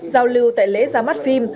giao lưu tại lễ ra mắt phim